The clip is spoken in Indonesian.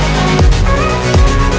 kau mau ngeliatin apaan